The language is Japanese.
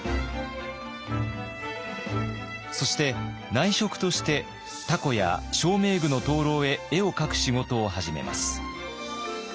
そして内職として凧や照明具の灯籠へ絵を描く仕事を始めます。